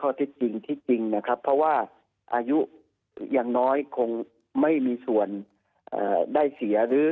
ข้อเท็จจริงที่จริงนะครับเพราะว่าอายุอย่างน้อยคงไม่มีส่วนได้เสียหรือ